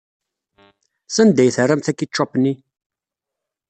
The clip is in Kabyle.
Sanda ay terramt akičup-nni?